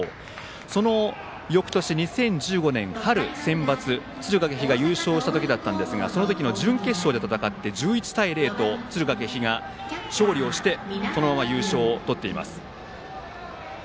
そのよくとし２０１５年春センバツ敦賀気比が優勝したときそのときの準決勝で戦って１１対０と敦賀気比が勝利してそのまま優勝しています。